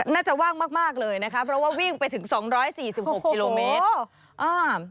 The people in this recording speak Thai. น่าจะว่างมากเลยนะคะเพราะว่าวิ่งไปถึง๒๔๖กิโลเมตร